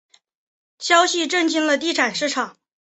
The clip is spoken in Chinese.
消息震惊了地产市场。